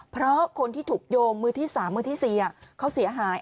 เพราะคนที่ถูกโยงมือที่๓มือที่๔เขาเสียหาย